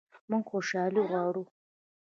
موږ خوشحالي غواړو